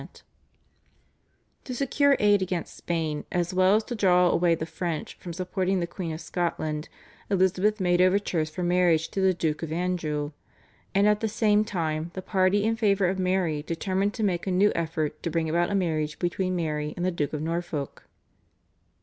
To secure aid against Spain as well as to draw away the French from supporting the Queen of Scotland Elizabeth made overtures for marriage to the Duke of Anjou, and at the same time the party in favour of Mary determined to make a new effort to bring about a marriage between Mary and the Duke of Norfolk.